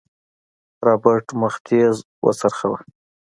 رابرټ مخ تېز وڅرخوه.